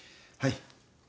はい。